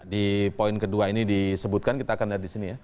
di poin kedua ini disebutkan kita akan lihat di sini ya